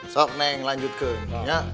sob neng lanjutkan